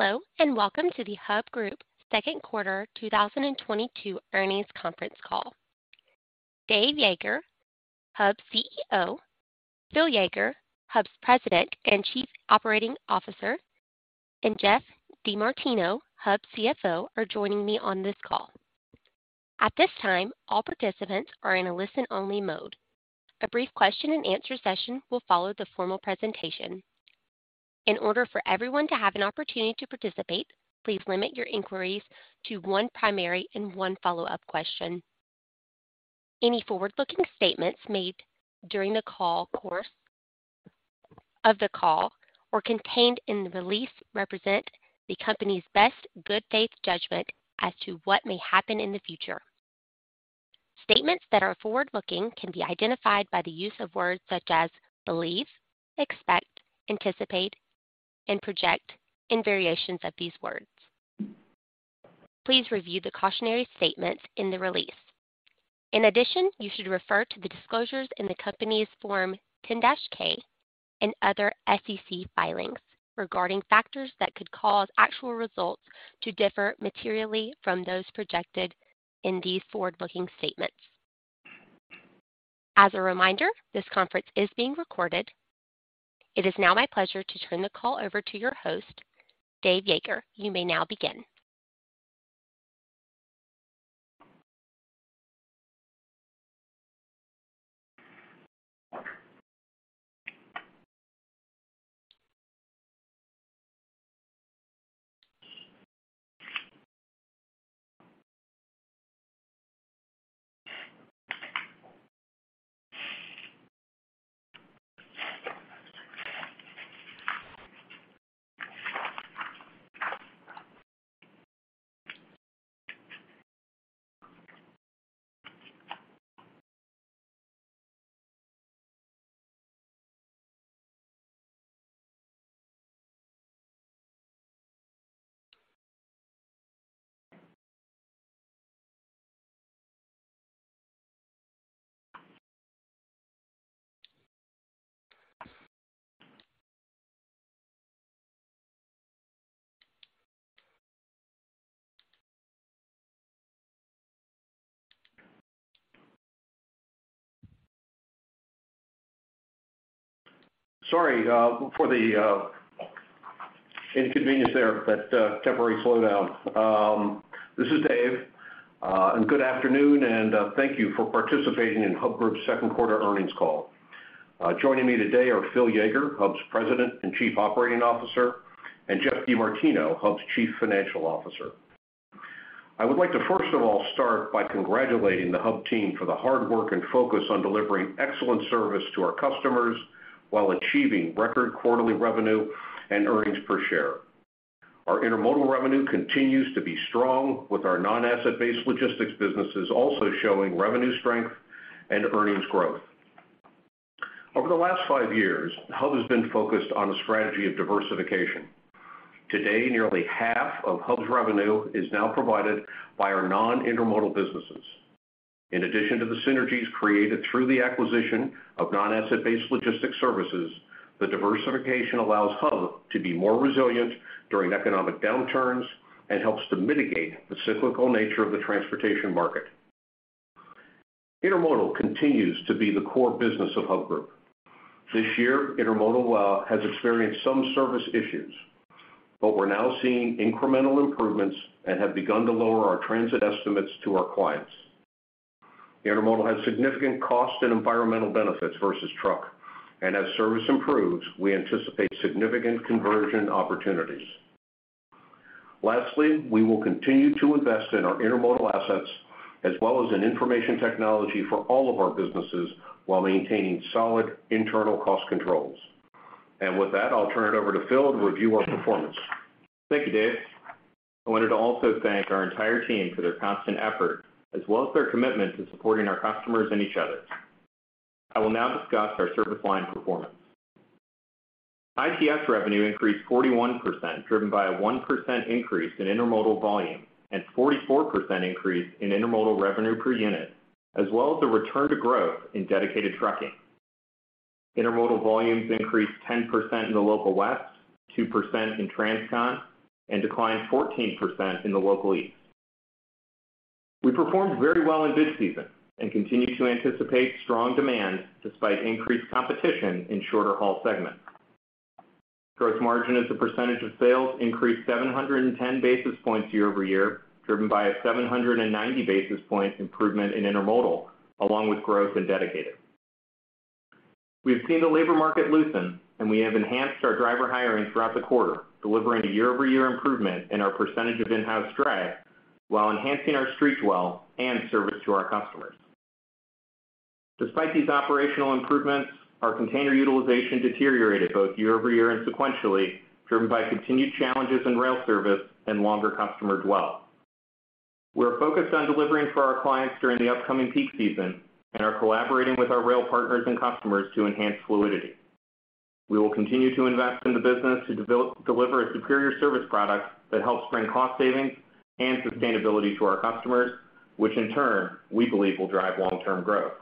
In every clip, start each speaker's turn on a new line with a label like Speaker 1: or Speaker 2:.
Speaker 1: Hello, and welcome to the Hub Group second quarter 2022 earnings conference call. Dave Yeager, Hub's CEO, Phil Yeager, Hub's President and Chief Operating Officer, and Geoff DeMartino, Hub's CFO, are joining me on this call. At this time, all participants are in a listen-only mode. A brief question-and-answer session will follow the formal presentation. In order for everyone to have an opportunity to participate, please limit your inquiries to one primary and one follow-up question. Any forward-looking statements made during the course of the call, or contained in the release represent the company's best good faith judgment as to what may happen in the future. Statements that are forward-looking can be identified by the use of words such as believe, expect, anticipate, and project, and variations of these words. Please review the cautionary statements in the release. In addition, you should refer to the disclosures in the company's Form 10-K and other SEC filings regarding factors that could cause actual results to differ materially from those projected in these forward-looking statements. As a reminder, this conference is being recorded. It is now my pleasure to turn the call over to your host, Dave Yeager. You may now begin.
Speaker 2: Sorry for the inconvenience there, that temporary slowdown. This is Dave. Good afternoon, and thank you for participating in Hub Group's second quarter earnings call. Joining me today are Phil Yeager, Hub's President and Chief Operating Officer, and Geoff DeMartino, Hub's Chief Financial Officer. I would like to first of all start by congratulating the Hub team for the hard work and focus on delivering excellent service to our customers while achieving record quarterly revenue and earnings per share. Our intermodal revenue continues to be strong with our non-asset-based logistics businesses also showing revenue strength and earnings growth. Over the last five years, Hub has been focused on a strategy of diversification. Today, nearly half of Hub's revenue is now provided by our non-intermodal businesses. In addition to the synergies created through the acquisition of non-asset-based logistics services, the diversification allows Hub to be more resilient during economic downturns and helps to mitigate the cyclical nature of the transportation market. Intermodal continues to be the core business of Hub Group. This year, intermodal has experienced some service issues, but we're now seeing incremental improvements and have begun to lower our transit estimates to our clients. Intermodal has significant cost and environmental benefits versus truck, and as service improves, we anticipate significant conversion opportunities. Lastly, we will continue to invest in our intermodal assets as well as in information technology for all of our businesses while maintaining solid internal cost controls. With that, I'll turn it over to Phil to review our performance.
Speaker 3: Thank you, Dave. I wanted to also thank our entire team for their constant effort as well as their commitment to supporting our customers and each other. I will now discuss our service line performance. ITS revenue increased 41%, driven by a 1% increase in intermodal volume and 44% increase in intermodal revenue per unit, as well as a return to growth in dedicated trucking. Intermodal volumes increased 10% in the Local West, 2% in Transcon, and declined 14% in the Local East. We performed very well in bid season and continue to anticipate strong demand despite increased competition in shorter haul segments. Gross margin as a percentage of sales increased 710 basis points year-over-year, driven by a 790 basis point improvement in intermodal along with growth in dedicated. We've seen the labor market loosen, and we have enhanced our driver hiring throughout the quarter, delivering a year-over-year improvement in our percentage of in-house drivers while enhancing our street dwell and service to our customers. Despite these operational improvements, our container utilization deteriorated both year over year and sequentially, driven by continued challenges in rail service and longer customer dwell. We're focused on delivering for our clients during the upcoming peak season and are collaborating with our rail partners and customers to enhance fluidity. We will continue to invest in the business to deliver a superior service product that helps bring cost savings and sustainability to our customers, which in turn we believe will drive long-term growth.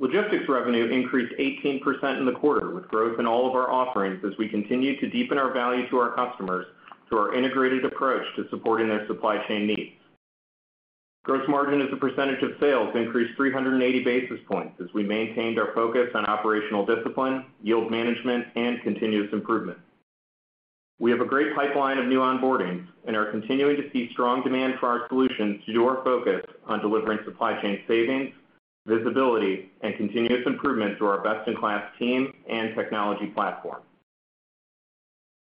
Speaker 3: Logistics revenue increased 18% in the quarter, with growth in all of our offerings as we continue to deepen our value to our customers through our integrated approach to supporting their supply chain needs. Gross margin as a percentage of sales increased 380 basis points as we maintained our focus on operational discipline, yield management, and continuous improvement. We have a great pipeline of new onboardings and are continuing to see strong demand for our solutions due to our focus on delivering supply chain savings, visibility, and continuous improvement through our best-in-class team and technology platform.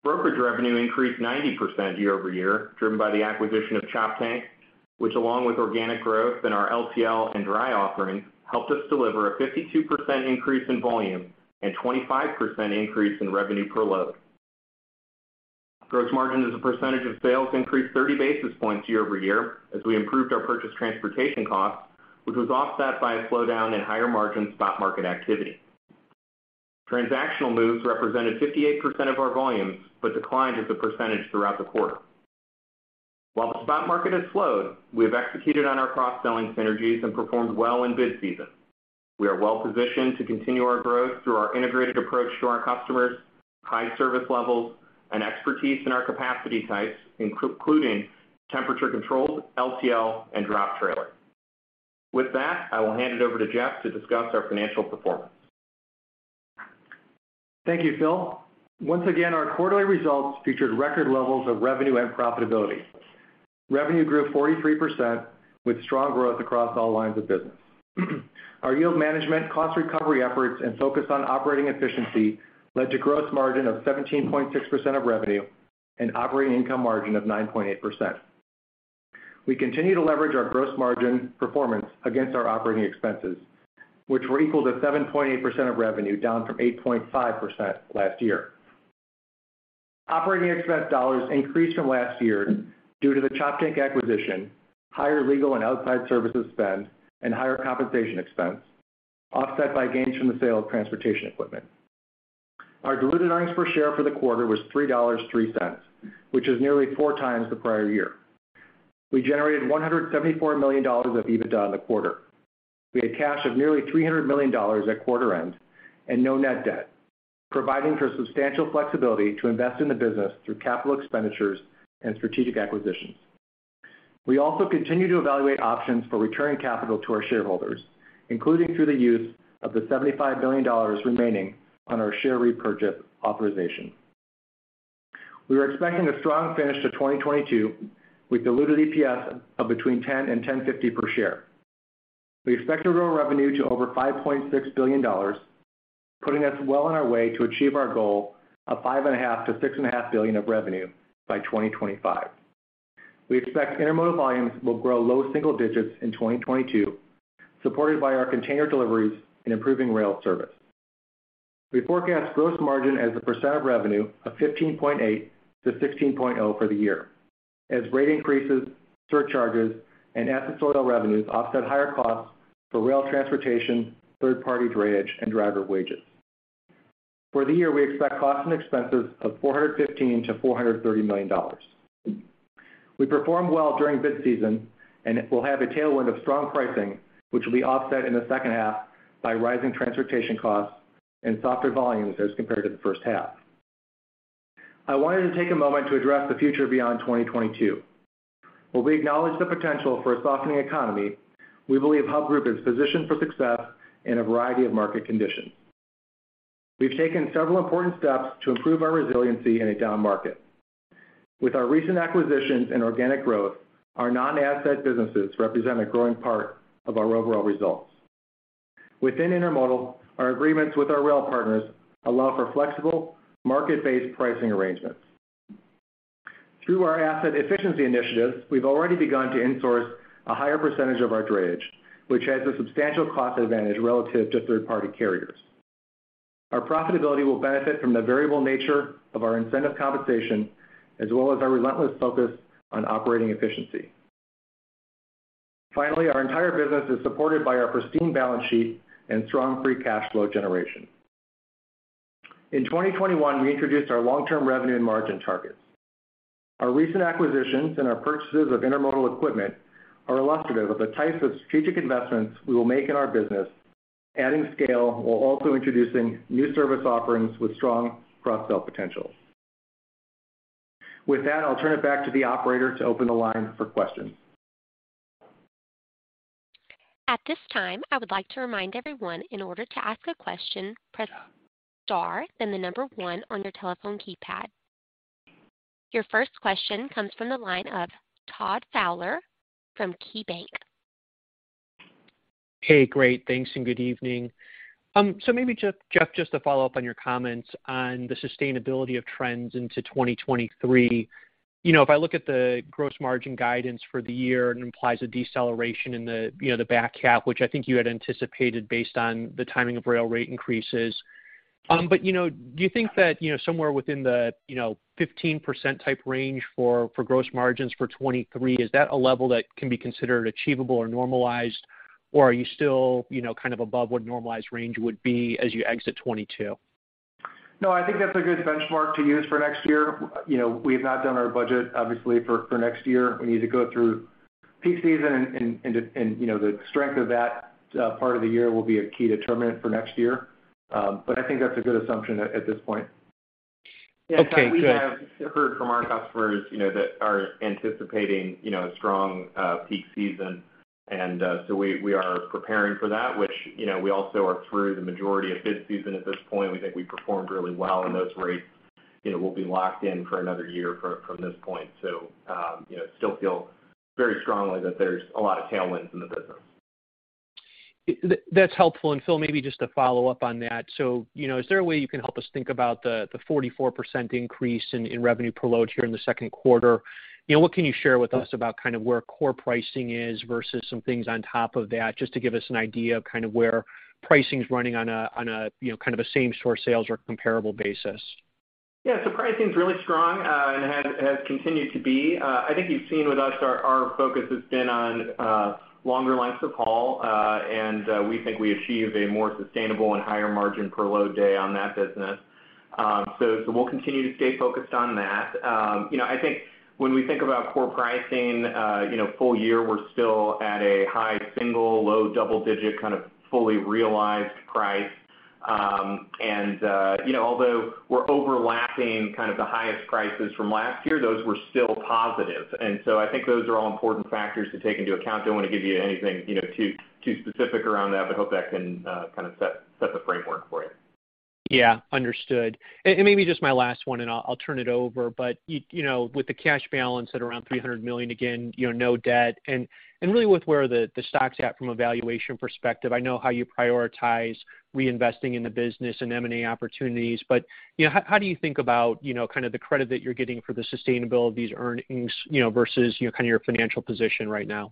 Speaker 3: Brokerage revenue increased 90% year-over-year, driven by the acquisition of Choptank, which along with organic growth in our LTL and dry offerings, helped us deliver a 52% increase in volume and 25% increase in revenue per load. Gross margin as a percentage of sales increased 30 basis points year-over-year as we improved our purchase transportation costs, which was offset by a slowdown in higher margin spot market activity. Transactional moves represented 58% of our volumes, but declined as a percentage throughout the quarter. While the spot market has slowed, we have executed on our cross-selling synergies and performed well in bid season. We are well positioned to continue our growth through our integrated approach to our customers, high service levels, and expertise in our capacity types, including temperature controlled, LTL, and drop trailer. With that, I will hand it over to Geoff to discuss our financial performance.
Speaker 4: Thank you, Phil. Once again, our quarterly results featured record levels of revenue and profitability. Revenue grew 43% with strong growth across all lines of business. Our yield management, cost recovery efforts, and focus on operating efficiency led to gross margin of 17.6% of revenue and operating income margin of 9.8%. We continue to leverage our gross margin performance against our operating expenses, which were equal to 7.8% of revenue, down from 8.5% last year. Operating expense dollars increased from last year due to the Choptank acquisition, higher legal and outside services spend, and higher compensation expense, offset by gains from the sale of transportation equipment. Our diluted earnings per share for the quarter was $3.03, which is nearly four times the prior year. We generated $174 million of EBITDA in the quarter. We had cash of nearly $300 million at quarter end and no net debt, providing for substantial flexibility to invest in the business through capital expenditures and strategic acquisitions. We also continue to evaluate options for returning capital to our shareholders, including through the use of the $250 million remaining on our share repurchase authorization. We are expecting a strong finish to 2022 with diluted EPS of between $10 and $10.50 per share. We expect to grow revenue to over $5.6 billion, putting us well on our way to achieve our goal of $5.5 billion-$6.5 billion of revenue by 2025. We expect intermodal volumes will grow low single digits in 2022, supported by our container deliveries and improving rail service. We forecast gross margin as a percent of revenue of 15.8%-16.0% for the year as rate increases, surcharges, and accessorial revenues offset higher costs for rail transportation, third-party drayage, and driver wages. For the year, we expect costs and expenses of $415 million-$430 million. We performed well during bid season and will have a tailwind of strong pricing, which will be offset in the second half by rising transportation costs and softer volumes as compared to the first half. I wanted to take a moment to address the future beyond 2022. While we acknowledge the potential for a softening economy, we believe Hub Group is positioned for success in a variety of market conditions. We've taken several important steps to improve our resiliency in a down market. With our recent acquisitions and organic growth, our non-asset businesses represent a growing part of our overall results. Within Intermodal, our agreements with our rail partners allow for flexible, market-based pricing arrangements. Through our asset efficiency initiatives, we've already begun to insource a higher percentage of our drayage, which has a substantial cost advantage relative to third-party carriers. Our profitability will benefit from the variable nature of our incentive compensation, as well as our relentless focus on operating efficiency. Finally, our entire business is supported by our pristine balance sheet and strong free cash flow generation. In 2021, we introduced our long-term revenue and margin targets. Our recent acquisitions and our purchases of intermodal equipment are illustrative of the types of strategic investments we will make in our business, adding scale while also introducing new service offerings with strong cross-sell potential. With that, I'll turn it back to the operator to open the line for questions.
Speaker 1: At this time, I would like to remind everyone, in order to ask a question, press star then the number one on your telephone keypad. Your first question comes from the line of Todd Fowler from KeyBanc Capital Markets.
Speaker 5: Hey, great, thanks, and good evening. Maybe just, Geoff, just to follow up on your comments on the sustainability of trends into 2023. You know, if I look at the gross margin guidance for the year, it implies a deceleration in the, you know, the back half, which I think you had anticipated based on the timing of rail rate increases. You know, do you think that, you know, somewhere within the, you know, fifteen percent type range for gross margins for 2023, is that a level that can be considered achievable or normalized? Are you still, you know, kind of above what normalized range would be as you exit 2022?
Speaker 4: No, I think that's a good benchmark to use for next year. You know, we have not done our budget, obviously, for next year. We need to go through peak season and you know, the strength of that part of the year will be a key determinant for next year. I think that's a good assumption at this point.
Speaker 5: Okay, go ahead.
Speaker 3: Yeah. We have heard from our customers, you know, that are anticipating, you know, a strong, peak season. We are preparing for that, which, you know, we also are through the majority of bid season at this point. We think we performed really well, and those rates, you know, will be locked in for another year from this point. You know, still feel very strongly that there's a lot of tailwinds in the business.
Speaker 5: That's helpful. Phil, maybe just to follow up on that. You know, is there a way you can help us think about the 44% increase in revenue per load here in the second quarter? You know, what can you share with us about kind of where core pricing is versus some things on top of that, just to give us an idea of kind of where pricing is running on a you know, kind of a same store sales or comparable basis?
Speaker 3: Yeah. Pricing is really strong, and has continued to be. I think you've seen with us our focus has been on longer lengths of haul, and we think we achieved a more sustainable and higher margin per load day on that business. We'll continue to stay focused on that. You know, I think when we think about core pricing, you know, full year, we're still at a high single, low double digit, kind of fully realized price. You know, although we're overlapping kind of the highest prices from last year, those were still positive. I think those are all important factors to take into account. Don't want to give you anything, you know, too specific around that, but hope that can kind of set the framework for you.
Speaker 5: Yeah. Understood. Maybe just my last one, and I'll turn it over. You know, with the cash balance at around $300 million, again, you know, no debt, and really with where the stock's at from a valuation perspective, I know how you prioritize reinvesting in the business and M&A opportunities. You know, how do you think about, you know, kind of the credit that you're getting for the sustainability of these earnings, you know, versus, you know, kind of your financial position right now?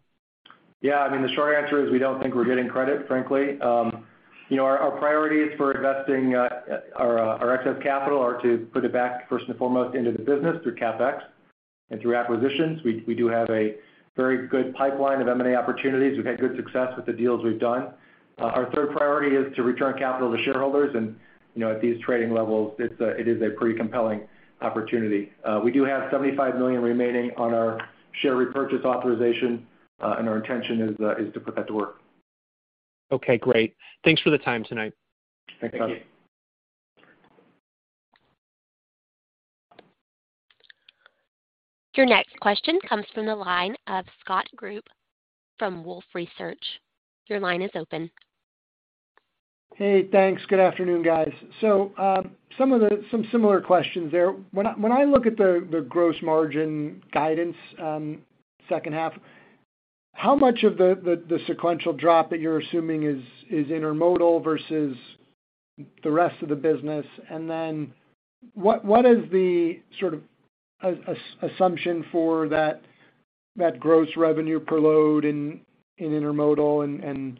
Speaker 4: Yeah. I mean, the short answer is we don't think we're getting credit, frankly. You know, our priorities for investing our excess capital are to put it back, first and foremost, into the business through CapEx and through acquisitions. We do have a very good pipeline of M&A opportunities. We've had good success with the deals we've done. Our third priority is to return capital to shareholders. You know, at these trading levels, it is a pretty compelling opportunity. We do have $75 million remaining on our share repurchase authorization, and our intention is to put that to work.
Speaker 5: Okay, great. Thanks for the time tonight.
Speaker 4: Thanks, Todd Fowler.
Speaker 3: Thank you.
Speaker 1: Your next question comes from the line of Scott Group from Wolfe Research. Your line is open.
Speaker 4: Hey, thanks. Good afternoon, guys. Some similar questions there. When I look at the gross margin guidance, second half, how much of the sequential drop that you're assuming is intermodal versus the rest of the business? And then what is the sort of assumption for that gross revenue per load in intermodal and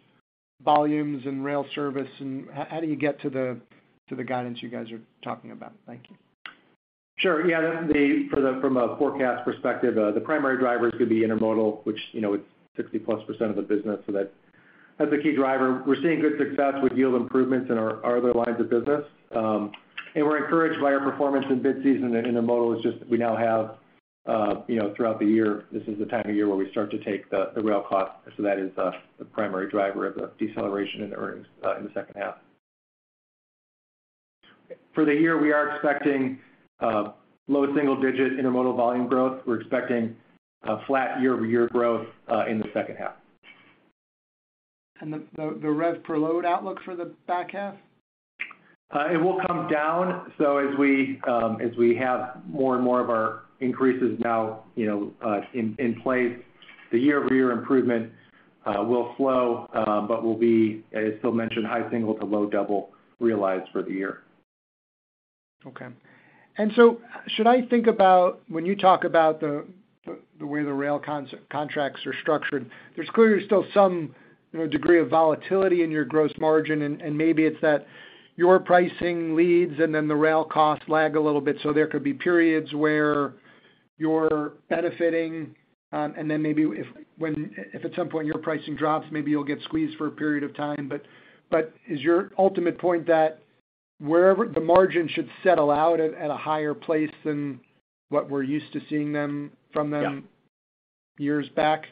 Speaker 4: volumes and rail service? And how do you get to the guidance you guys are talking about? Thank you. Sure. Yeah. From a forecast perspective, the primary drivers could be intermodal, which, you know, it's 60+% of the business. That's a key driver. We're seeing good success with yield improvements in our other lines of business. We're encouraged by our performance in bid season. Intermodal is just. We now have, you know, throughout the year. This is the time of year where we start to take the rail cost. That is the primary driver of the deceleration in earnings in the second half. For the year, we are expecting low single-digit intermodal volume growth. We're expecting a flat year-over-year growth in the second half.
Speaker 6: The rev per load outlook for the back half?
Speaker 4: It will come down. As we have more and more of our increases now, you know, in place, the year-over-year improvement will flow, but will be, as Phil mentioned, high single to low double realized for the year.
Speaker 6: Okay. Should I think about when you talk about the way the rail contracts are structured, there's clearly still some you know degree of volatility in your gross margin, and maybe it's that your pricing lags, and then the rail costs lag a little bit. There could be periods where you're benefiting, and then maybe when at some point your pricing drops, maybe you'll get squeezed for a period of time. Is your ultimate point that wherever the margin should settle out at a higher place than what we're used to seeing from them?
Speaker 4: Yeah.
Speaker 6: years back?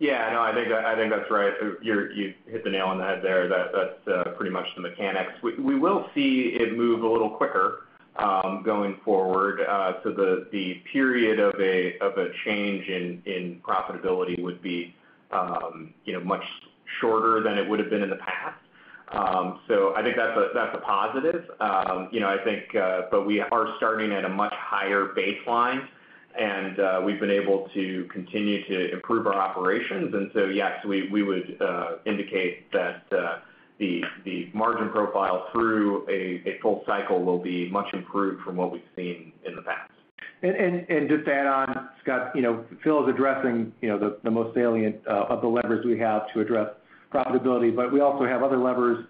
Speaker 3: Yeah. No, I think that's right. You hit the nail on the head there. That's pretty much the mechanics. We will see it move a little quicker going forward. The period of a change in profitability would be, you know, much shorter than it would have been in the past. I think that's a positive. You know, I think, but we are starting at a much higher baseline, and we've been able to continue to improve our operations. Yes, we would indicate that the margin profile through a full cycle will be much improved from what we've seen in the past.
Speaker 4: Just to add on, Scott, you know, Phil is addressing, you know, the most salient of the levers we have to address profitability, but we also have other levers.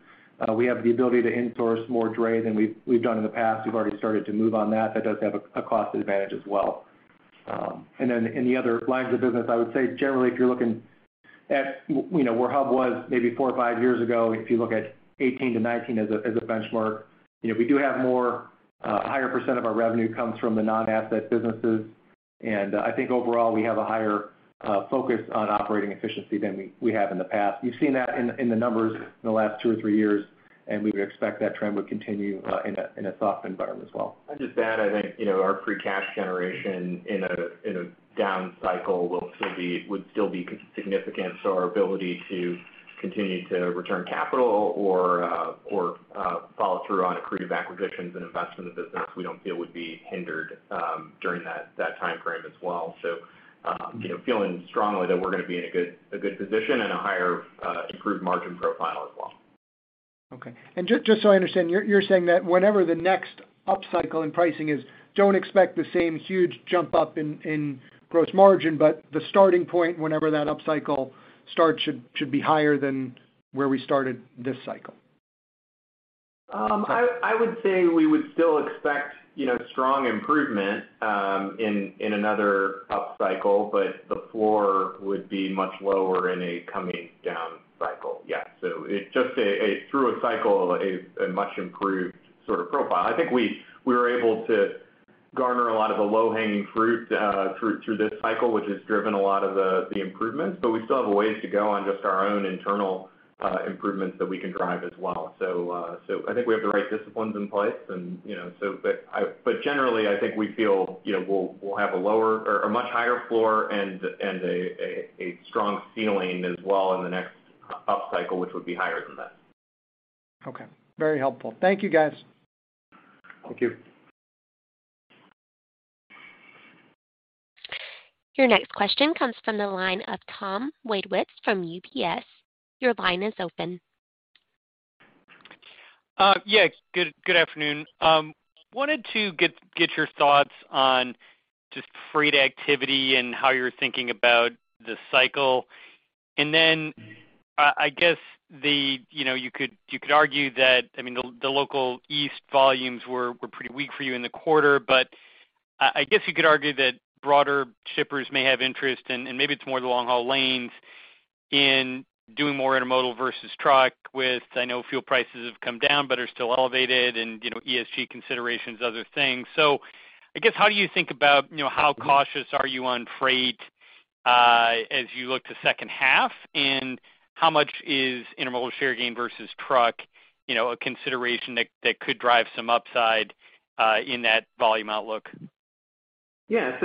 Speaker 4: We have the ability to in-source more dray than we've done in the past. We've already started to move on that. That does have a cost advantage as well. And then in the other lines of business, I would say generally, if you're looking at, you know, where Hub was maybe four or five years ago, if you look at 2018-2019 as a benchmark, you know, we do have a higher percent of our revenue comes from the non-asset businesses. I think overall, we have a higher focus on operating efficiency than we have in the past. You've seen that in the numbers in the last two or three years, and we would expect that trend would continue in a soft environment as well.
Speaker 3: I'd just add, I think, you know, our free cash generation in a down cycle would still be significant. Our ability to continue to return capital or follow through on accretive acquisitions and investment in the business, we don't feel would be hindered during that time frame as well. You know, feeling strongly that we're gonna be in a good position and a higher improved margin profile as well.
Speaker 6: Okay. Just so I understand, you're saying that whenever the next upcycle in pricing is, don't expect the same huge jump up in gross margin, but the starting point, whenever that upcycle starts, should be higher than where we started this cycle?
Speaker 3: I would say we would still expect, you know, strong improvement in another upcycle, but the floor would be much lower in a coming down cycle. Yeah. Just through a cycle, a much improved sort of profile. I think we were able to garner a lot of the low-hanging fruit through this cycle, which has driven a lot of the improvements, but we still have a ways to go on just our own internal improvements that we can drive as well. I think we have the right disciplines in place and, you know, but generally, I think we feel, you know, we'll have a lower or a much higher floor and a strong ceiling as well in the next upcycle, which would be higher than that.
Speaker 6: Okay. Very helpful. Thank you, guys.
Speaker 4: Thank you.
Speaker 1: Your next question comes from the line of Thomas Wadewitz from UBS. Your line is open.
Speaker 7: Yeah. Good afternoon. Wanted to get your thoughts on just freight activity and how you're thinking about the cycle. I guess you know, you could argue that, I mean, the Local East volumes were pretty weak for you in the quarter. But I guess you could argue that broader shippers may have interest, and maybe it's more the long-haul lanes, in doing more intermodal versus truck with, I know fuel prices have come down but are still elevated and, you know, ESG considerations, other things. I guess, how do you think about, you know, how cautious are you on freight, as you look to second half? And how much is intermodal share gain versus truck, you know, a consideration that could drive some upside, in that volume outlook?
Speaker 3: Yeah.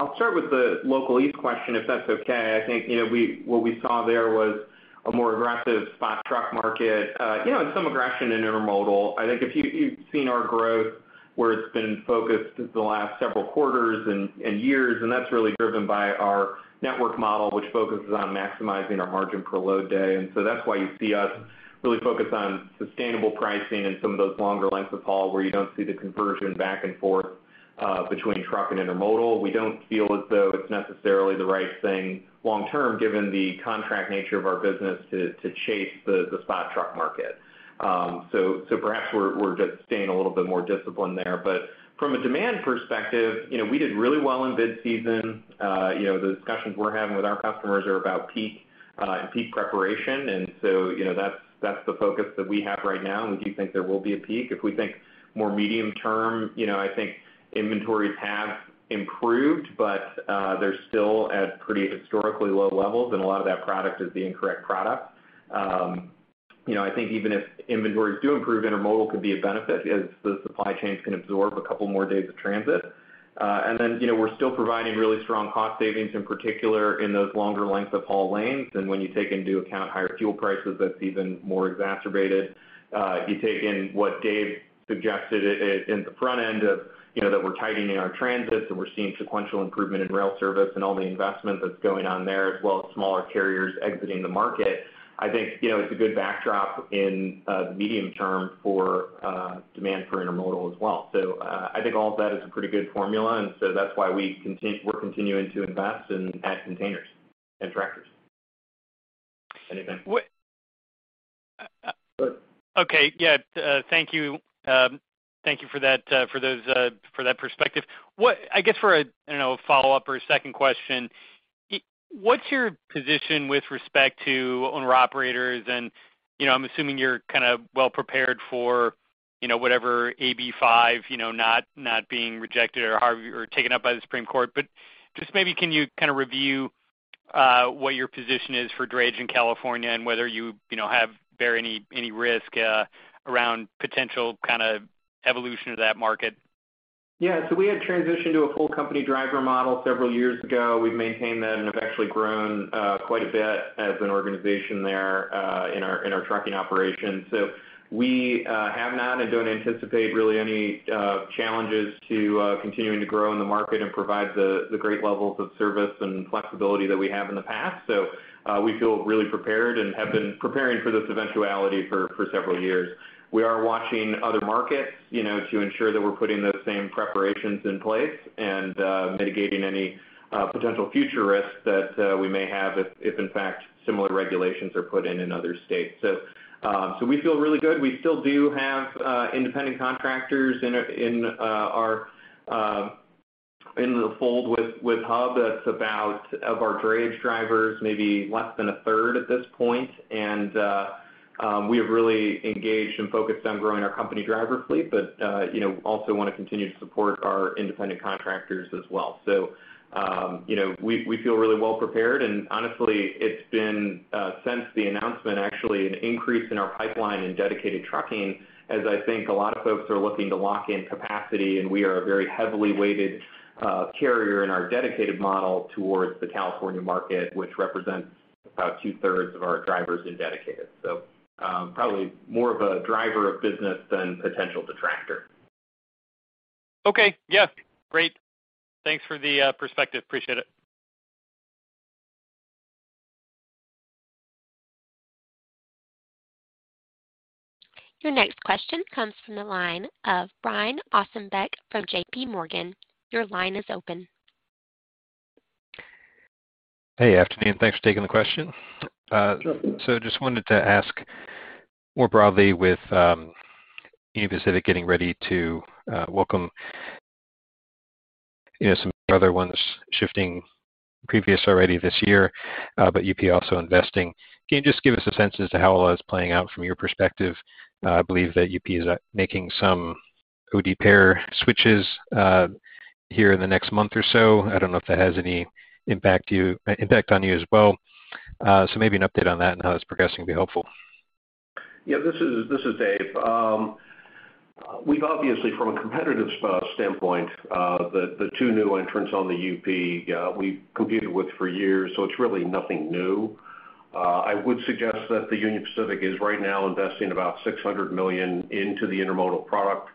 Speaker 3: I'll start with the Local East question, if that's okay. I think, you know, what we saw there was a more aggressive spot truck market, you know, and some aggression in intermodal. I think if you've seen our growth, where it's been focused the last several quarters and years, and that's really driven by our network model, which focuses on maximizing our margin per load day. That's why you see us really focus on sustainable pricing in some of those longer lengths of haul, where you don't see the conversion back and forth between truck and intermodal. We don't feel as though it's necessarily the right thing long term, given the contract nature of our business to chase the spot truck market. So perhaps we're just staying a little bit more disciplined there. From a demand perspective, you know, we did really well in bid season. You know, the discussions we're having with our customers are about peak and peak preparation. You know, that's the focus that we have right now, and we do think there will be a peak. If we think more medium term, you know, I think inventories have improved, but they're still at pretty historically low levels, and a lot of that product is the incorrect product. You know, I think even if inventories do improve, intermodal could be a benefit as the supply chains can absorb a couple more days of transit. You know, we're still providing really strong cost savings, in particular in those longer lengths of haul lanes. When you take into account higher fuel prices, that's even more exacerbated. If you take in what Dave suggested at the front end of, you know, that we're tightening our transits, and we're seeing sequential improvement in rail service and all the investment that's going on there, as well as smaller carriers exiting the market, I think, you know, it's a good backdrop in the medium term for demand for intermodal as well. I think all of that is a pretty good formula, and so that's why we're continuing to invest and add containers and tractors.
Speaker 7: W- Uh, uh.
Speaker 3: Go ahead.
Speaker 7: Okay. Yeah. Thank you for that perspective. What, I guess for a follow-up or a second question, what's your position with respect to owner-operators? I'm assuming you're kind of well prepared for whatever AB5 not being rejected or however or taken up by the Supreme Court. Just maybe, can you kind of review what your position is for drayage in California and whether you bear any risk around potential kind of evolution of that market?
Speaker 3: Yeah. We had transitioned to a full company driver model several years ago. We've maintained that and have actually grown quite a bit as an organization there in our trucking operations. We have not and don't anticipate really any challenges to continuing to grow in the market and provide the great levels of service and flexibility that we have in the past. We feel really prepared and have been preparing for this eventuality for several years. We are watching other markets, you know, to ensure that we're putting those same preparations in place and mitigating any potential future risks that we may have if in fact similar regulations are put in other states. We feel really good. We still do have independent contractors in the fold with Hub, that's about a third of our drayage drivers, maybe less than a third at this point. We have really engaged and focused on growing our company driver fleet, but you know, also wanna continue to support our independent contractors as well. You know, we feel really well prepared. Honestly, it's been since the announcement, actually an increase in our pipeline in dedicated trucking, as I think a lot of folks are looking to lock in capacity, and we are a very heavily weighted carrier in our dedicated model towards the California market, which represents about two-thirds of our drivers in dedicated. Probably more of a driver of business than potential detractor.
Speaker 7: Okay. Yeah, great. Thanks for the perspective. Appreciate it.
Speaker 1: Your next question comes from the line of Brian Ossenbeck from JPMorgan. Your line is open.
Speaker 8: Hey, afternoon. Thanks for taking the question. Just wanted to ask more broadly with Union Pacific getting ready to welcome some other ones shifting previous already this year, but UP also investing. Can you just give us a sense as to how well it's playing out from your perspective? I believe that UP is making some OD pair switches here in the next month or so. I don't know if that has any impact on you as well. Maybe an update on that and how it's progressing would be helpful.
Speaker 2: Yeah, this is Dave. We've obviously, from a competitive standpoint, the two new entrants on the UP we competed with for years, so it's really nothing new. I would suggest that the Union Pacific is right now investing about $600 million into the intermodal product.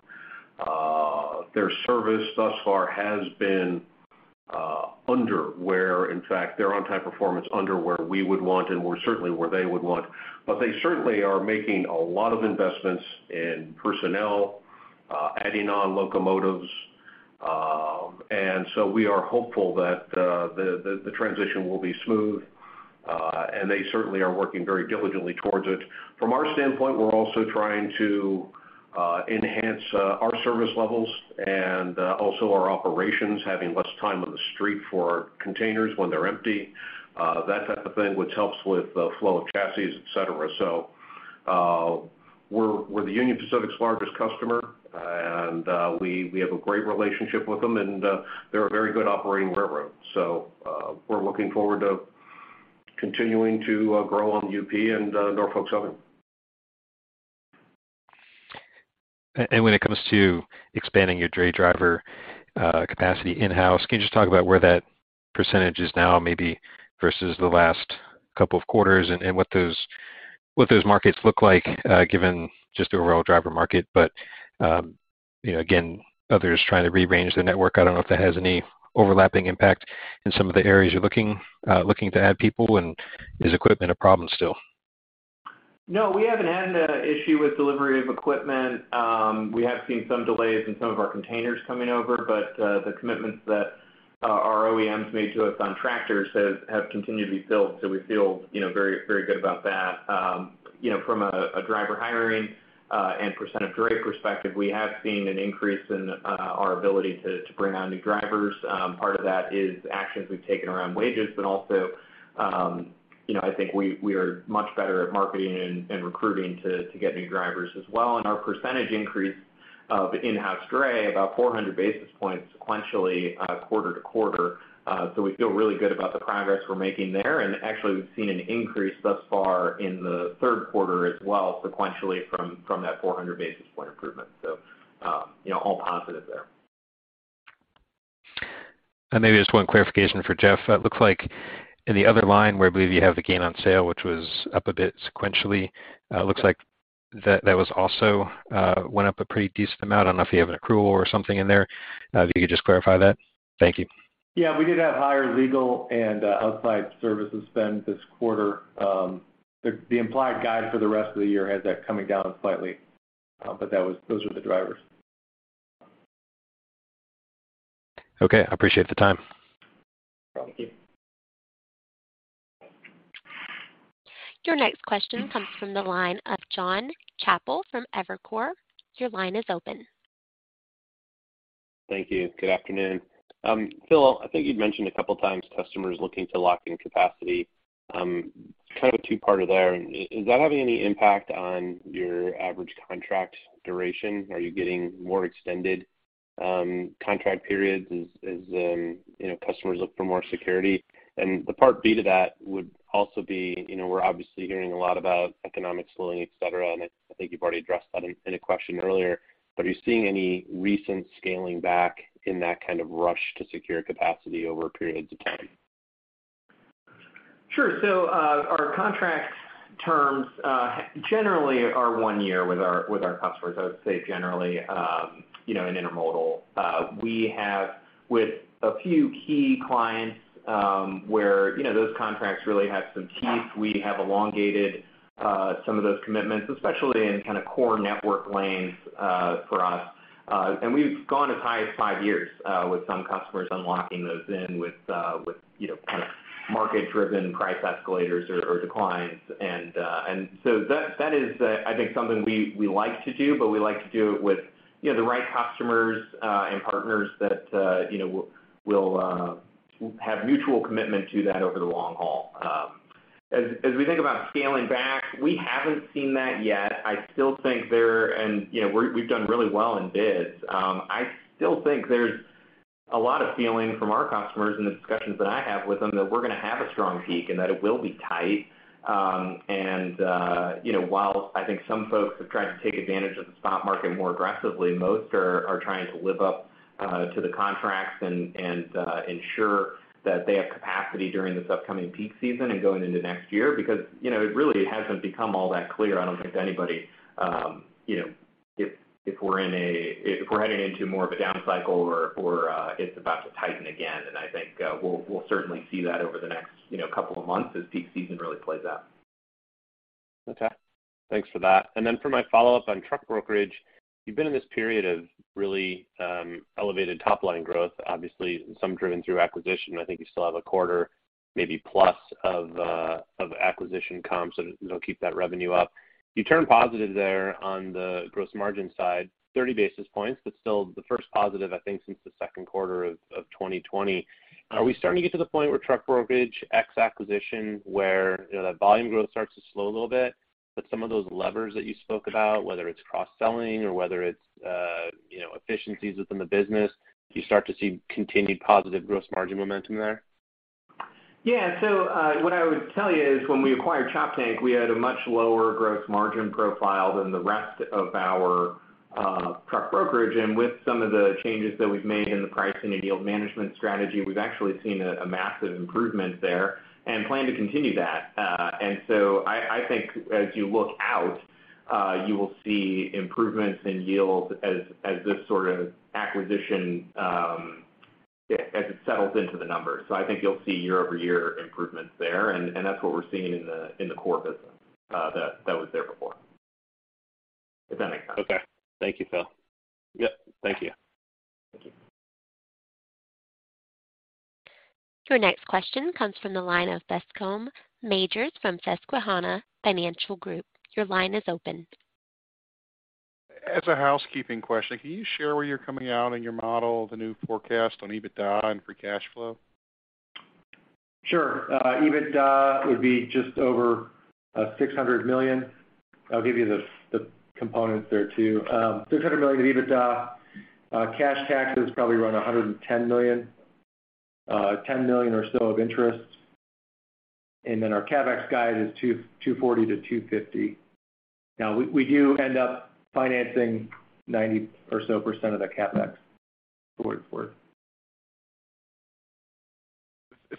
Speaker 2: Their service thus far has been under where, in fact, their on-time performance under where we would want and more certainly where they would want. They certainly are making a lot of investments in personnel, adding on locomotives. We are hopeful that the transition will be smooth, and they certainly are working very diligently towards it. From our standpoint, we're also trying to enhance our service levels and also our operations, having less time on the street for containers when they're empty, that type of thing, which helps with the flow of chassis, et cetera. We're the Union Pacific's largest customer, and we have a great relationship with them, and they're a very good operating railroad. We're looking forward to continuing to grow on UP and Norfolk Southern.
Speaker 8: When it comes to expanding your dray driver capacity in-house, can you just talk about where that percentage is now, maybe versus the last couple of quarters and what those markets look like, given just the overall driver market, but you know, again, others trying to rearrange the network. I don't know if that has any overlapping impact in some of the areas you're looking to add people, and is equipment a problem still?
Speaker 3: No, we haven't had an issue with delivery of equipment. We have seen some delays in some of our containers coming over, but the commitments that our OEMs made to us on tractors have continued to be filled, so we feel, you know, very, very good about that. You know, from a driver hiring and percentage of dray perspective, we have seen an increase in our ability to bring on new drivers. Part of that is actions we've taken around wages, but also, you know, I think we are much better at marketing and recruiting to get new drivers as well. Our percentage increase of in-house dray about 400 basis points sequentially, quarter-to-quarter. So we feel really good about the progress we're making there. Actually, we've seen an increase thus far in the third quarter as well, sequentially from that 400 basis points improvement. You know, all positive there.
Speaker 8: Maybe just one clarification for Geoff. It looks like in the other line where I believe you have the gain on sale, which was up a bit sequentially, it looks like that was also went up a pretty decent amount. I don't know if you have an accrual or something in there. If you could just clarify that. Thank you.
Speaker 4: Yeah. We did have higher legal and outside services spend this quarter. The implied guide for the rest of the year has that coming down slightly. Those were the drivers.
Speaker 8: Okay. I appreciate the time.
Speaker 4: Thank you.
Speaker 1: Your next question comes from the line of Jonathan Chappell from Evercore. Your line is open.
Speaker 9: Thank you. Good afternoon. Phil, I think you'd mentioned a couple of times customers looking to lock in capacity. Kind of a two-parter there. Is that having any impact on your average contract duration? Are you getting more extended contract periods as you know, customers look for more security? The part B to that would also be, you know, we're obviously hearing a lot about economic slowing, et cetera, and I think you've already addressed that in a question earlier. Are you seeing any recent scaling back in that kind of rush to secure capacity over periods of time?
Speaker 3: Sure. Our contract terms generally are one year with our customers, I would say generally, you know, in intermodal. We have with a few key clients, where, you know, those contracts really have some teeth. We have elongated some of those commitments, especially in kinda core network lanes, for us. We've gone as high as five years with some customers on locking those in with, you know, kinda market-driven price escalators or declines. That is, I think something we like to do, but we like to do it with, you know, the right customers and partners that, you know, will have mutual commitment to that over the long haul. As we think about scaling back, we haven't seen that yet. I still think, and you know, we've done really well in bids. I still think there's a lot of feeling from our customers in the discussions that I have with them that we're gonna have a strong peak and that it will be tight. You know, while I think some folks have tried to take advantage of the spot market more aggressively, most are trying to live up to the contracts and ensure that they have capacity during this upcoming peak season and going into next year. You know, it really hasn't become all that clear. I don't think to anybody, you know, if we're heading into more of a down cycle or it's about to tighten again. I think, we'll certainly see that over the next, you know, couple of months as peak season really plays out.
Speaker 9: Okay. Thanks for that. For my follow-up on truck brokerage, you've been in this period of really elevated top-line growth, obviously some driven through acquisition. I think you still have a quarter, maybe plus of acquisition comps that'll keep that revenue up. You turn positive there on the gross margin side, 30 basis points, but still the first positive, I think, since the second quarter of 2020. Are we starting to get to the point where truck brokerage ex acquisition, where, you know, that volume growth starts to slow a little bit, but some of those levers that you spoke about, whether it's cross-selling or whether it's, you know, efficiencies within the business, you start to see continued positive gross margin momentum there?
Speaker 3: Yeah. What I would tell you is when we acquired Choptank, we had a much lower gross margin profile than the rest of our truck brokerage. With some of the changes that we've made in the pricing and yield management strategy, we've actually seen a massive improvement there and plan to continue that. I think as you look out, you will see improvements in yield as this sort of acquisition as it settles into the numbers. I think you'll see year-over-year improvements there, and that's what we're seeing in the core business that was there before. If that makes sense.
Speaker 9: Okay. Thank you, Phil. Yep, thank you.
Speaker 3: Thank you.
Speaker 1: Your next question comes from the line of Bascome Majors from Susquehanna Financial Group. Your line is open.
Speaker 10: As a housekeeping question, can you share where you're coming out in your model, the new forecast on EBITDA and free cash flow?
Speaker 4: Sure. EBITDA would be just over $600 million. I'll give you the components there too. $600 million of EBITDA. Cash taxes probably around $110 million. $10 million or so of interest. Our CapEx guide is $240 million-$250 million. Now, we do end up financing 90% or so of the CapEx going forward.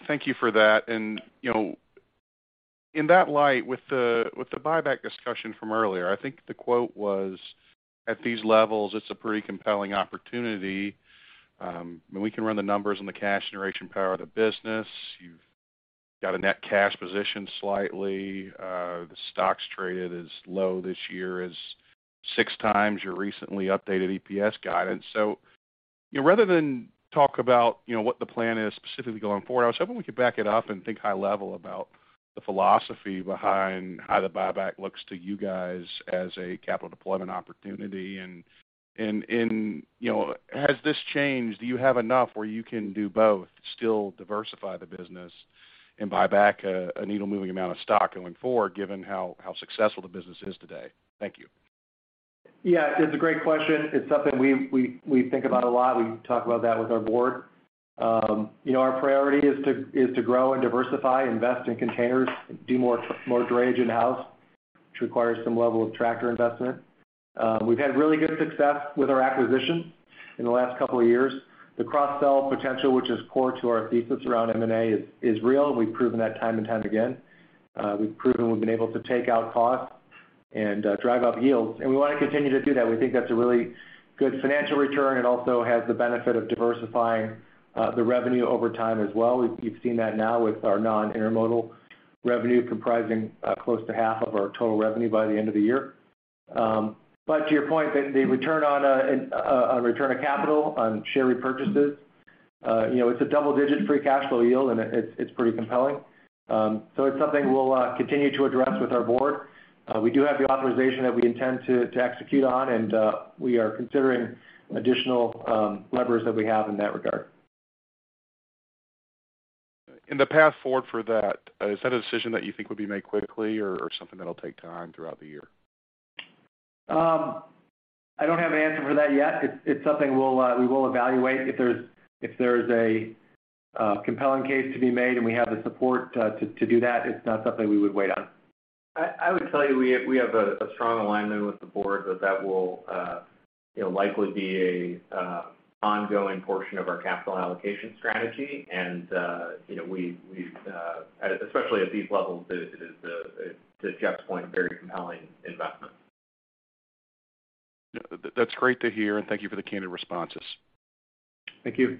Speaker 10: Thank you for that. You know, in that light, with the buyback discussion from earlier, I think the quote was, at these levels, it's a pretty compelling opportunity. We can run the numbers on the cash generation power of the business. You've got a net cash position slightly. The stock's traded as low this year as 6x your recently updated EPS guidance. You know, rather than talk about, you know, what the plan is specifically going forward, I was hoping we could back it up and think high level about the philosophy behind how the buyback looks to you guys as a capital deployment opportunity. You know, has this changed? Do you have enough where you can do both, still diversify the business and buy back a needle moving amount of stock going forward given how successful the business is today? Thank you.
Speaker 4: Yeah, it's a great question. It's something we think about a lot. We talk about that with our board. You know, our priority is to grow and diversify, invest in containers, do more drayage in-house, which requires some level of tractor investment. We've had really good success with our acquisitions in the last couple of years. The cross-sell potential, which is core to our thesis around M&A is real. We've proven that time and time again. We've proven we've been able to take out cost and drive up yields, and we want to continue to do that. We think that's a really good financial return. It also has the benefit of diversifying the revenue over time as well. We've seen that now with our non-intermodal revenue comprising close to half of our total revenue by the end of the year. To your point, the return of capital on share repurchases, you know, it's a double-digit free cash flow yield, and it's pretty compelling. It's something we'll continue to address with our board. We do have the authorization that we intend to execute on, and we are considering additional levers that we have in that regard.
Speaker 10: In the path forward for that, is that a decision that you think would be made quickly or something that'll take time throughout the year?
Speaker 4: I don't have an answer for that yet. It's something we will evaluate. If there's a compelling case to be made and we have the support to do that, it's not something we would wait on.
Speaker 3: I would tell you, we have a strong alignment with the board that will, you know, likely be a ongoing portion of our capital allocation strategy. You know, we've especially at these levels, it is to Geoff's point, a very compelling investment.
Speaker 10: That's great to hear, and thank you for the candid responses.
Speaker 4: Thank you.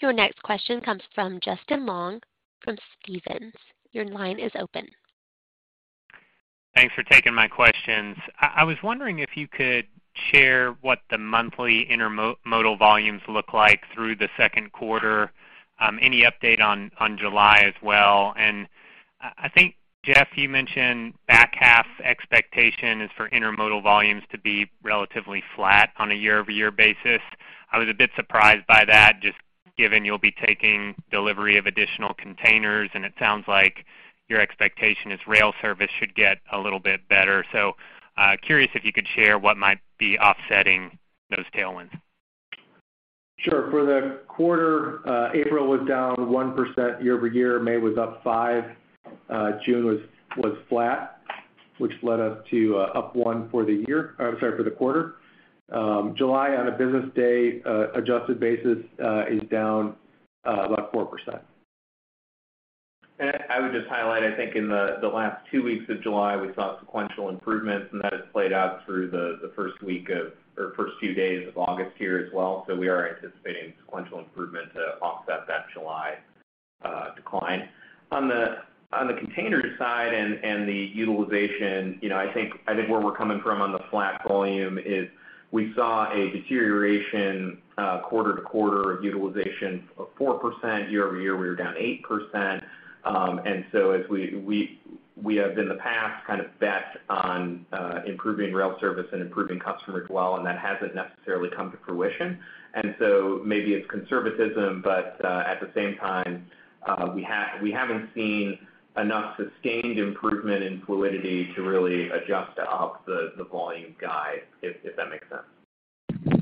Speaker 1: Your next question comes from Justin Long from Stephens. Your line is open.
Speaker 11: Thanks for taking my questions. I was wondering if you could share what the monthly intermodal volumes look like through the second quarter. Any update on July as well? I think, Geoff, you mentioned back half expectation is for intermodal volumes to be relatively flat on a year-over-year basis. I was a bit surprised by that, just given you'll be taking delivery of additional containers, and it sounds like your expectation is rail service should get a little bit better. Curious if you could share what might be offsetting those tailwinds.
Speaker 4: Sure. For the quarter, April was down 1% year-over-year, May was up 5%. June was flat, which led us to up 1% for the quarter. July on a business day adjusted basis is down about 4%.
Speaker 3: I would just highlight, I think in the last two weeks of July, we saw sequential improvements, and that has played out through the first few days of August here as well. We are anticipating sequential improvement to offset that July decline. On the container side and the utilization, you know, I think where we're coming from on the flat volume is we saw a deterioration quarter-over-quarter of 4%. Year-over-year, we were down 8%. As we have in the past kind of bet on improving rail service and improving customer as well, and that hasn't necessarily come to fruition. Maybe it's conservatism, but at the same time, we haven't seen enough sustained improvement in fluidity to really adjust up the volume guide, if that makes sense.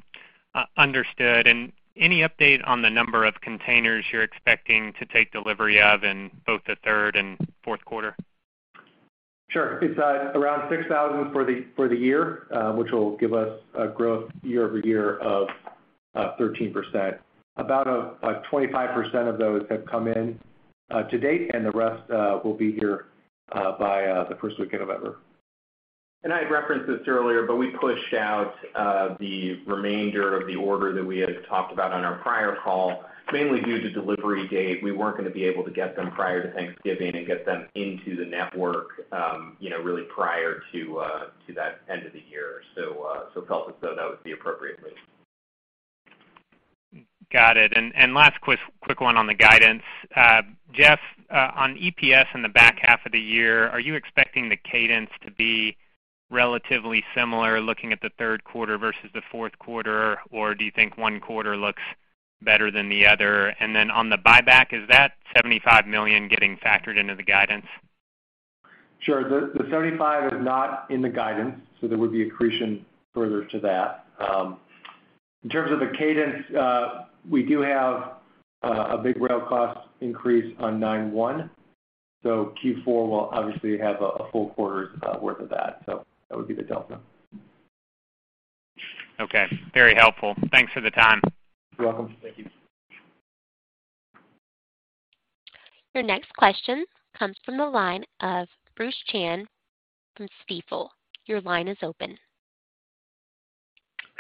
Speaker 11: Understood. Any update on the number of containers you're expecting to take delivery of in both the third and fourth quarter?
Speaker 4: Sure. It's around 6,000 for the year, which will give us a growth year-over-year of 13%. About, like 25% of those have come in to date, and the rest will be here by the first week of November.
Speaker 3: I had referenced this earlier, but we pushed out the remainder of the order that we had talked about on our prior call, mainly due to delivery date. We weren't gonna be able to get them prior to Thanksgiving and get them into the network, you know, really prior to that end of the year. Felt as though that was the appropriate move.
Speaker 11: Got it. Last quick one on the guidance. Geoff, on EPS in the back half of the year, are you expecting the cadence to be relatively similar looking at the third quarter versus the fourth quarter, or do you think one quarter looks better than the other? Then on the buyback, is that $75 million getting factored into the guidance?
Speaker 4: Sure. The 75 is not in the guidance, so there would be accretion further to that. In terms of the cadence, we do have a big rail cost increase on 9/1, so Q4 will obviously have a full quarter's worth of that. That would be the delta.
Speaker 11: Okay. Very helpful. Thanks for the time.
Speaker 4: You're welcome. Thank you.
Speaker 1: Your next question comes from the line of Bruce Chan from Stifel. Your line is open.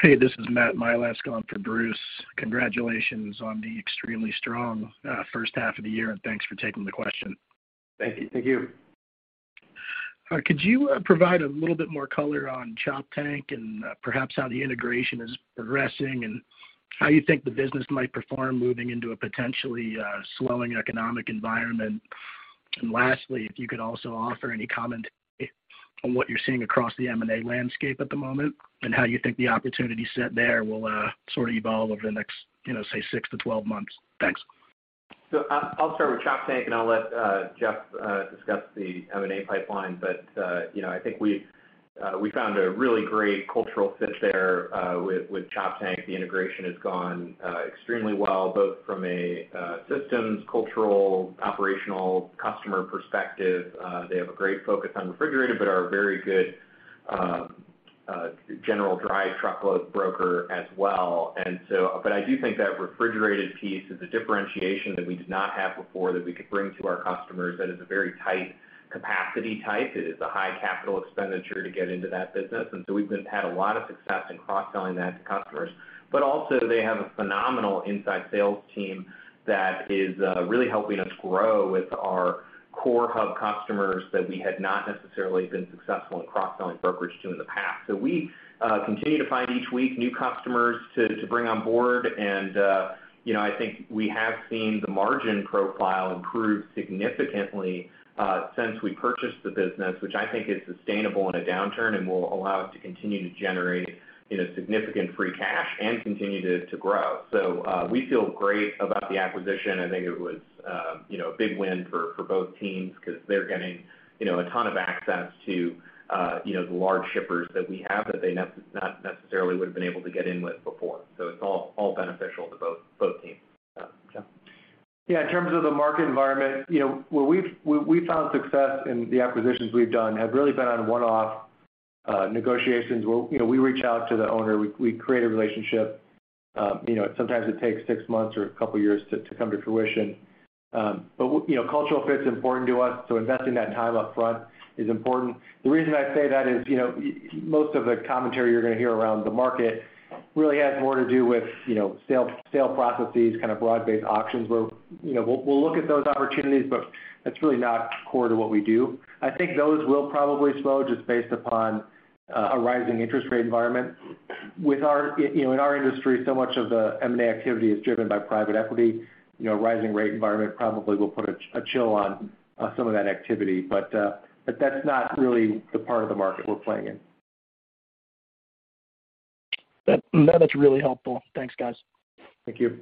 Speaker 12: Hey, this is Matt Milask going for Bruce. Congratulations on the extremely strong first half of the year, and thanks for taking the question.
Speaker 3: Thank you.
Speaker 4: Thank you.
Speaker 12: All right. Could you provide a little bit more color on Choptank and perhaps how the integration is progressing and how you think the business might perform moving into a potentially slowing economic environment? Lastly, if you could also offer any commentary on what you're seeing across the M&A landscape at the moment and how you think the opportunity set there will sort of evolve over the next, you know, say, 6-12 months. Thanks.
Speaker 3: I'll start with Choptank, and I'll let Geoff discuss the M&A pipeline. You know, I think we've found a really great cultural fit there with Choptank. The integration has gone extremely well, both from a systems, cultural, operational, customer perspective. They have a great focus on refrigerated, but are a very good general dry truckload broker as well. I do think that refrigerated piece is a differentiation that we did not have before that we could bring to our customers that is a very tight capacity type. It is a high capital expenditure to get into that business. We've had a lot of success in cross-selling that to customers. They have a phenomenal inside sales team that is really helping us grow with our core Hub customers that we had not necessarily been successful in cross-selling brokerage to in the past. We continue to find each week new customers to bring on board. You know, I think we have seen the margin profile improve significantly since we purchased the business, which I think is sustainable in a downturn and will allow us to continue to generate you know, significant free cash and continue to grow. We feel great about the acquisition. I think it was, you know, a big win for both teams because they're getting, you know, a ton of access to, you know, the large shippers that we have that they not necessarily would have been able to get in with before. It's all beneficial to both teams. Yeah.
Speaker 4: Yeah. In terms of the market environment, you know, where we've found success in the acquisitions we've done have really been on one-off negotiations where, you know, we reach out to the owner, we create a relationship. You know, sometimes it takes six months or a couple years to come to fruition. But, you know, cultural fit is important to us, so investing that time upfront is important. The reason I say that is, you know, most of the commentary you're gonna hear around the market really has more to do with, you know, sale processes, kind of broad-based auctions where, you know, we'll look at those opportunities, but that's really not core to what we do. I think those will probably slow just based upon a rising interest rate environment.
Speaker 3: With our, you know, in our industry, so much of the M&A activity is driven by private equity. You know, rising rate environment probably will put a chill on some of that activity, but that's not really the part of the market we're playing in.
Speaker 2: That, no, that's really helpful. Thanks, guys.
Speaker 3: Thank you.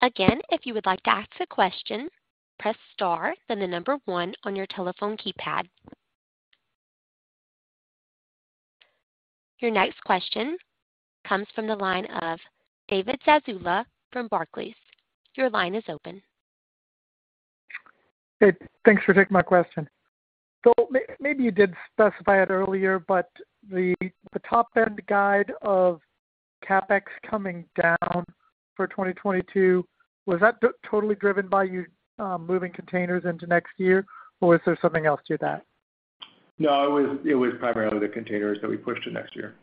Speaker 1: Again, if you would like to ask a question, press star then the number one on your telephone keypad. Your next question comes from the line of David Zazula from Barclays. Your line is open.
Speaker 13: Hey, thanks for taking my question. Maybe you did specify it earlier, but the top-end guide of CapEx coming down for 2022, was that totally driven by you moving containers into next year, or was there something else to that?
Speaker 3: No, it was primarily the containers that we pushed to next year.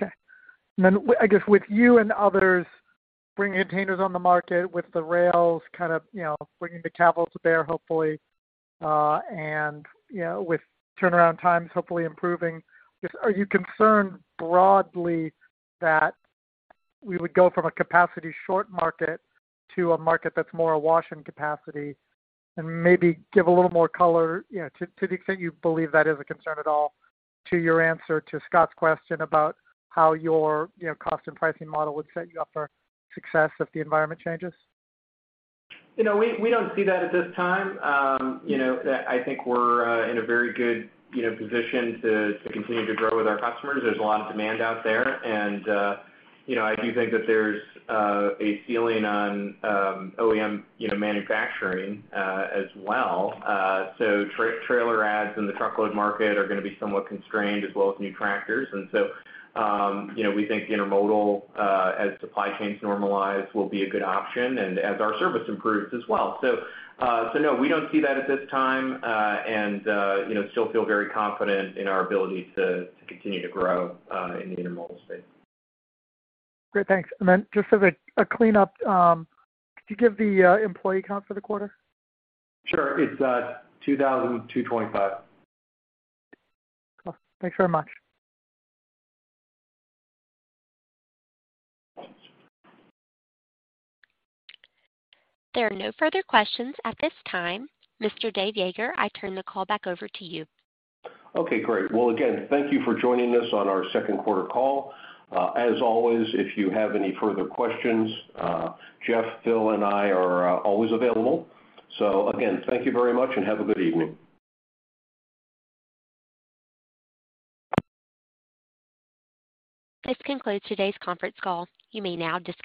Speaker 13: Okay. Then I guess with you and others bringing containers on the market, with the rails kind of, you know, bringing the capitals to bear hopefully, and, you know, with turnaround times hopefully improving, just are you concerned broadly that we would go from a capacity short market to a market that's more awash in capacity? Maybe give a little more color, you know, to the extent you believe that is a concern at all to your answer to Scott's question about how your, you know, cost and pricing model would set you up for success if the environment changes.
Speaker 3: You know, we don't see that at this time. You know, I think we're in a very good, you know, position to continue to grow with our customers. There's a lot of demand out there. You know, I do think that there's a ceiling on OEM you know manufacturing as well. Trailer adds in the truckload market are gonna be somewhat constrained as well as new tractors. You know, we think intermodal, as supply chains normalize, will be a good option and as our service improves as well. No, we don't see that at this time, and you know still feel very confident in our ability to continue to grow in the intermodal space.
Speaker 13: Great. Thanks. Just as a cleanup, could you give the employee count for the quarter?
Speaker 3: Sure. It's 2025.
Speaker 13: Cool. Thanks very much.
Speaker 1: There are no further questions at this time. Mr. Dave Yeager, I turn the call back over to you.
Speaker 2: Okay, great. Well, again, thank you for joining us on our second quarter call. As always, if you have any further questions, Geoff, Phil, and I are always available. Again, thank you very much and have a good evening.
Speaker 1: This concludes today's conference call. You may now disconnect.